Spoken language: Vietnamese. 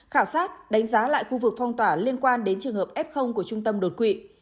khảo sát đánh giá lại khu vực phong tỏa liên quan đến trường hợp f của trung tâm đột quỵ